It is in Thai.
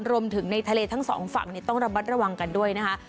รวมถึงในทะเลทั้งสองฝั่งต้องระมัดระวังกันด้วยนะคะ